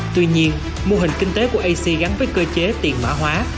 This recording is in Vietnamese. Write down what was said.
tuy nhiên mô hình kinh tế của ac gắn với cơ chế tiền mã hóa